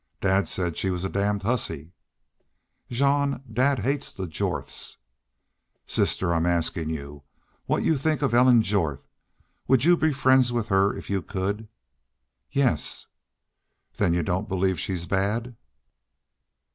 "Dad said she was a damned hussy." "Jean, dad hates the Jorths." "Sister, I'm askin' you what you think of Ellen Jorth. Would you be friends with her if you could?" "Yes." "Then you don't believe she's bad."